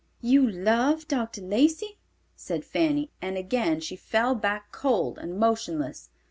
—You love Dr. Lacey!" said Fanny, and again she fell back cold and motionless.